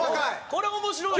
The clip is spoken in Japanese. これ面白い！